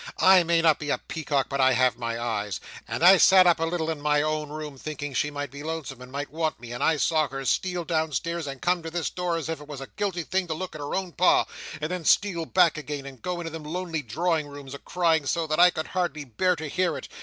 I may not be a Peacock; but I have my eyes—and I sat up a little in my own room thinking she might be lonesome and might want me, and I saw her steal downstairs and come to this door as if it was a guilty thing to look at her own Pa, and then steal back again and go into them lonely drawing rooms, a crying so, that I could hardly bear to hear it.